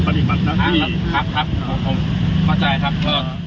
ขอบคุณมาจัยครับ